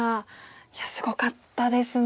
いやすごかったですね。